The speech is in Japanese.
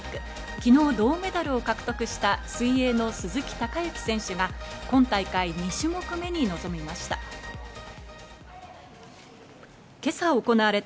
昨日、銅メダルを獲得した水泳の鈴木孝幸選手が今大会２種目目に臨みました。